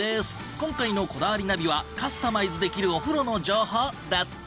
今回の『こだわりナビ』はカスタマイズできるお風呂の情報だって。